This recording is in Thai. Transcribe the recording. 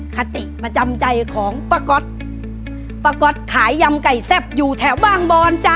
คติประจำใจของป้าก๊อตป้าก๊อตขายยำไก่แซ่บอยู่แถวบางบอนจ้ะ